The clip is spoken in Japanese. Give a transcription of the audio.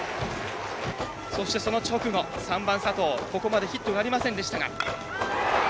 そして、その直後３番、佐藤、ここまでヒットはありませんでしたが。